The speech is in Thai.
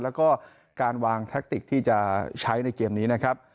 แล้วก็การวางแทคติกที่จะใช้ในเกมนี้นะครับ